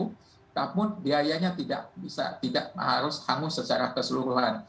namun biayanya tidak harus hangus secara keseluruhan